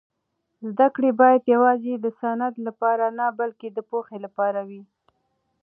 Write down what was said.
زده کړه باید یوازې د سند لپاره نه بلکې د پوهې لپاره وي.